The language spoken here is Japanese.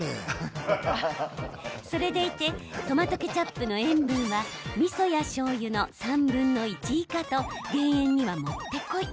それでいてトマトケチャップの塩分はみそやしょうゆの３分の１以下と減塩にはもってこい。